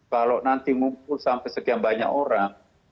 kalau nanti ngumpul sampai sekian banyak orang